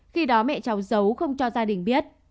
khi đó mẹ cháu giấu không cho gia đình biết